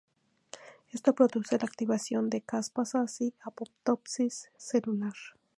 Esto produce la activación de caspasas y apoptosis celular.